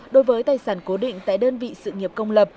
đối với tài sản cố định tại đơn vị sự nghiệp công lập